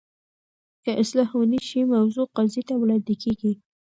که اصلاح ونه شي، موضوع قاضي ته وړاندي کیږي.